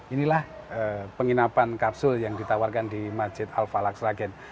inilah penginapan kapsul yang ditawarkan di masjid al falak sragen